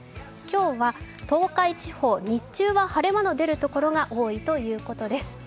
今日は東海地方、日中は晴れ間の出るところが多いということです。